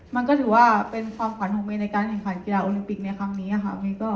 มันก็ถือว่าเป็นความขวัญของเมย์ในการแข่งขันกีฬาโอลิมปิกในครั้งนี้ค่ะ